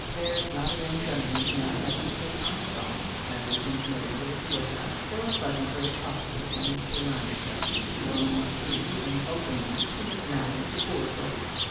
There's not a young gentleman that I ever set eyes on as I think nobler to look at, or pleasanter to talk to, than Mr. Lansdell, or more free and open like in his manner to poor folk.